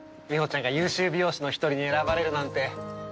みほちゃんが優秀美容師の一人に選ばれるなんて。